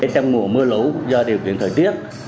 trong mùa mưa lũ do điều kiện thời tiết